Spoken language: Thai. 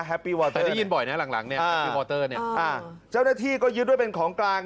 แต่ได้ยินบ่อยนะหลังเนี่ยเนี่ยอ่าเจ้าหน้าที่ก็ยืดด้วยเป็นของกลาง